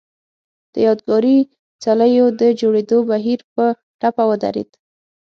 د یادګاري څليو د جوړېدو بهیر په ټپه ودرېد.